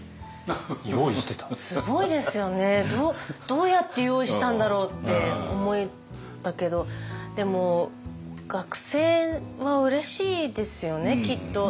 どうやって用意したんだろうって思ったけどでも学生はうれしいですよねきっと。